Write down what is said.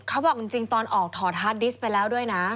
เขาบอกจริงตอนออกถอดฮาร์ดดิสต์ไปแล้วด้วยนะ